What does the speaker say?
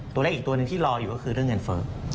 ตัวเลขอีกตัวหนึ่งที่รออยู่ก็คือเงินเฟ้อ